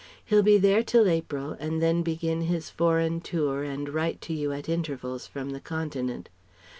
He'll be there till April, and then begin his foreign tour and write to you at intervals from the Continent.